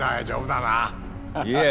いえ。